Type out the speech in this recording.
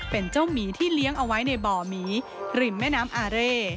เป็นเจ้าหมีที่เลี้ยงเอาไว้ในบ่อหมีริมแม่น้ำอาเร่